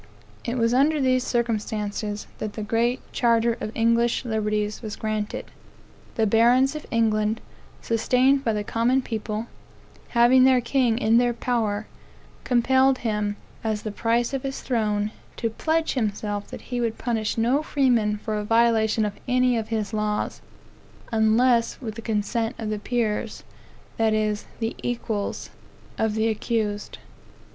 It was under these circumstances, that the Great Charter of Englsh Liberties was granted. The barons of England, sustained by the common people, having their king in their power, compelled him, as the price of his throne, to pledge himself that he would punish no freeman for a violation of any of his laws, unless with the consent of the peers that is, the equals of the accused.